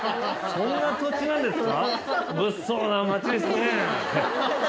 そんな土地なんですか！？